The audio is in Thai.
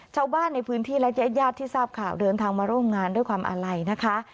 ชาวบ้านในพื้นที่และญาติญาติที่ทราบข่าวเดินทางมาร่วมงานด้วยความอาลัยนะคะ